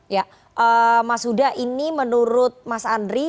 ya mas huda ini menurut mas andri